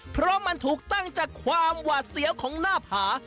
เพราะมันถูกตั้งจากความหวาดเสียวของหน้าผา